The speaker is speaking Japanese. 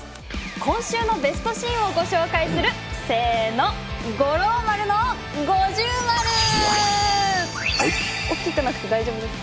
今週のベストシーンをご紹介するせの大きくなくて大丈夫ですか？